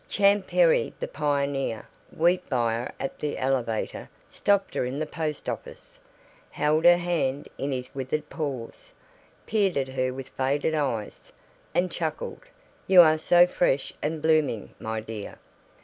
Champ Perry the pioneer, wheat buyer at the elevator, stopped her in the post office, held her hand in his withered paws, peered at her with faded eyes, and chuckled, "You are so fresh and blooming, my dear.